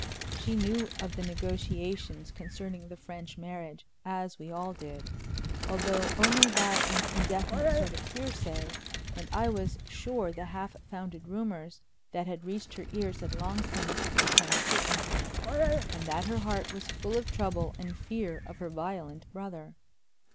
She knew of the negotiations concerning the French marriage, as we all did, although only by an indefinite sort of hearsay, and I was sure the half founded rumors that had reached her ears had long since become certainties, and that her heart was full of trouble and fear of her violent brother.